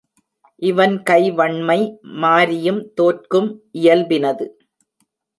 இவன் கை வண்மை மாரியும் தோற்கும் இயல்பினது.